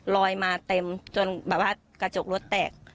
ลอยมาเต็มจนแบบว่ากระจกรถแตก